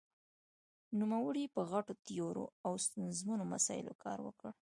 نومړې په غټو تیوریو او ستونزمنو مسايلو کار وکړ.